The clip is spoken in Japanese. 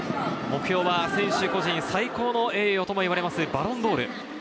目標は選手個人最高の栄誉ともいわれるバロンドール。